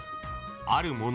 ［ある物の］